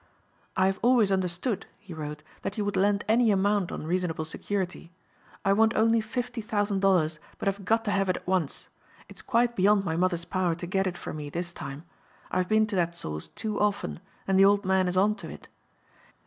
"I have always understood," he wrote, "that you would lend any amount on reasonable security. I want only fifty thousand dollars but I've got to have it at once. It's quite beyond my mother's power to get it for me this time. I've been to that source too often and the old man is on to it.